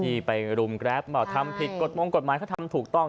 ที่ไปรุมกราฟท์บอกทำผิดกฎมองกฎหมายก็ทำถูกต้อง